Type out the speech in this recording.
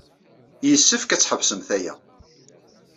Yessefk ad tḥebsemt aya.